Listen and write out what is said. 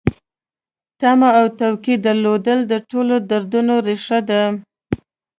تمه او توقع درلودل د ټولو دردونو ریښه ده.